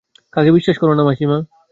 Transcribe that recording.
কাকে বিশ্বাস কর না মাসিমা ।